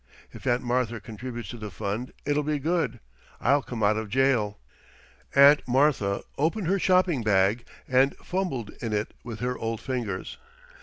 If Aunt Martha contributes to the fund, I'll be good. I'll come out of jail." Aunt Martha opened her shopping bag, and fumbled in it with her old fingers.